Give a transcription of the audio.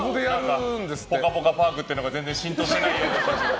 ぽかぽかパークっていうのが全然浸透してないようだけど。